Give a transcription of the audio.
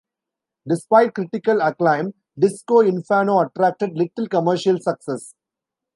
Despite critical acclaim, Disco Inferno attracted little commercial success.